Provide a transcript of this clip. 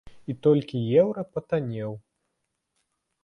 І толькі еўра патаннеў.